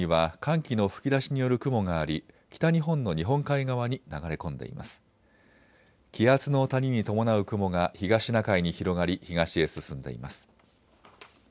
気圧の谷に伴う雲が東シナ海に広がり東へ進んでいます。